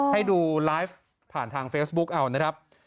ให้ดูไลฟ์ผ่านทางเฟซบุ๊กเอานะครับ